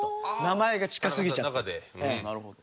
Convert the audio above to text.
名前が近すぎちゃって。